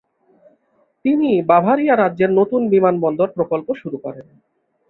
তিনি বাভারিয়া রাজ্যের নতুন বিমানবন্দর প্রকল্প শুরু করেন।